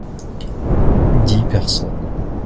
Dix personnes.